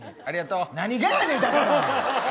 何がやねん、だから。